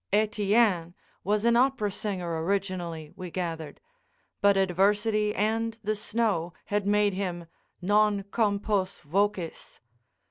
Etienne was an opera singer originally, we gathered; but adversity and the snow had made him non compos vocis.